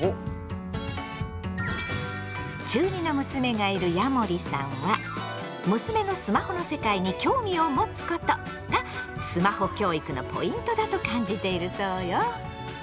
中２の娘がいるヤモリさんは「娘のスマホの世界に興味を持つこと」がスマホ教育のポイントだと感じているそうよ。